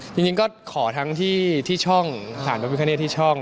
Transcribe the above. จริงก็ขอทั้งที่ช่องฐานพระพิคเนตที่ช่อง